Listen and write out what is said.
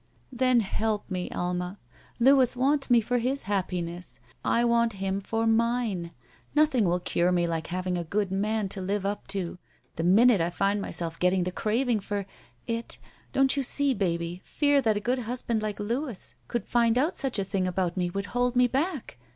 ''Then help me, Alma. Louis wants me for his happiness. I want him for mine. Nothing will cure me like having a good man to live up to. The minute I find myself getting the craving for — ^it — don't you see, baby, fear that a good husband like Louis could find out such a thing about me would hold me back?